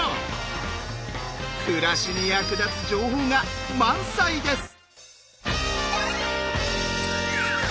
暮らしに役立つ情報が満載です！